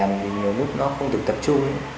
nhưng mà làm thì nhiều lúc nó không được tập trung